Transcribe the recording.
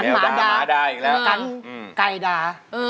แมวด่าคันไก่ด่า